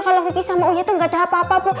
kalau kiki sama uya tuh gak ada apa apa bu